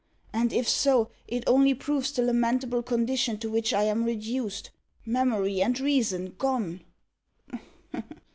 And if so, it only proves the lamentable condition to which I am reduced memory and reason gone!"